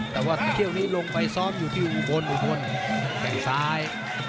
แต่ว่าเที่ยวนี้ลงไปซ้อมอยู่ที่อุบลอุบลแข่งซ้าย